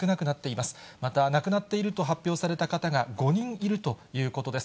また亡くなっていると発表された方が５人いるということです。